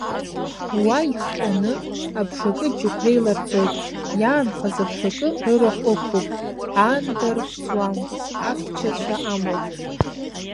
Уа ихҟьаны, абжакы аџьықәреи ларҵоит, иаанхаз абжакы рырахә ықәуп, аанда ркӡуам, ахьчацәа амоуп.